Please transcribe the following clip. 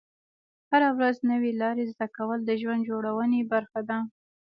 هره ورځ نوې لارې زده کول د ژوند جوړونې برخه ده.